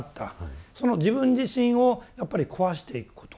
その自分自身をやっぱり壊していくこと。